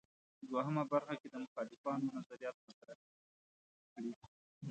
دوهمه برخه کې د مخالفانو نظریات مطرح کړي.